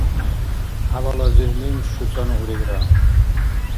хӀябал азирлим шуцӀанну урегра